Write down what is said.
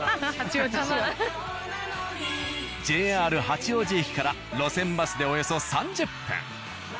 ＪＲ八王子駅から路線バスでおよそ３０分。